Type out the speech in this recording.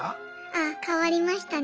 あ変わりましたね。